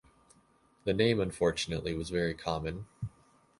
The name, unfortunately, was very common.